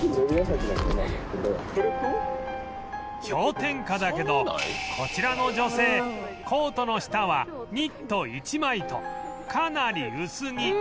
氷点下だけどこちらの女性コートの下はニット１枚とかなり薄着